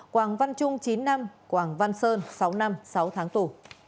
quảng văn trung chín năm quảng văn sơn sáu năm sáu tháng tù